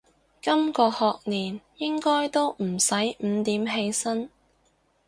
今個學年應該都唔使五點起身